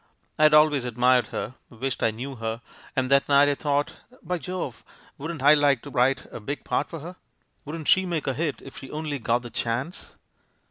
I had al ways admired her, wished I knew her, and that night I thought, 'By Jove, wouldn't I like to vn ite a big part for her! Wouldn't she make a hit if she only got the chance